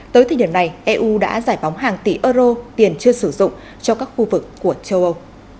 tới thời điểm này eu đã giải phóng hàng tỷ euro tiền chưa sử dụng cho các khu vực của châu âu